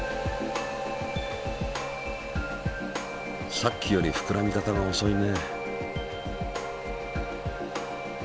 さっきよりふくらみ方がおそいね。